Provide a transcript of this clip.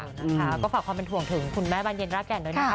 นะคะก็ฝากความเป็นห่วงถึงคุณแม่บานเย็นรากแก่นด้วยนะคะ